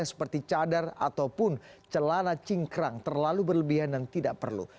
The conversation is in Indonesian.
seperti cadar ataupun celana cingkrang terlalu berlebihan dan tidak perlu